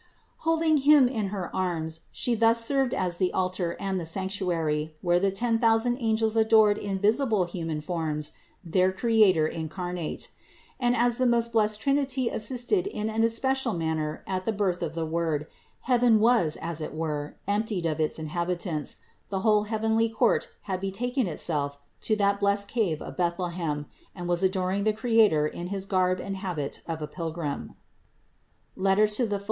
484. Holding Him in Her arms She thus served as the altar and the sanctuary, where the ten thousand angels adored in visible human forms their Creator incarnate. And as the most blessed Trinity assisted in an especial manner at the birth of the Word, heaven was as it were emptied of its inhabitants, for the whole heavenly court had betaken itself to that blessed cave of Bethlehem and was adoring the Creator in his garb and habit of a pilgrim (Phil.